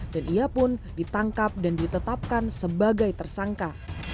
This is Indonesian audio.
dan ia pun ditangkap dan ditetapkan sebagai tersangka